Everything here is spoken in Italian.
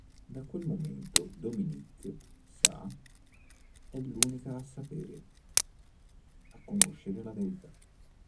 Da quel momento Dominique sa, è l'unica a sapere, a conoscere la verità.